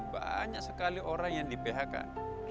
banyak sekali orang yang tidak bisa membeli pajak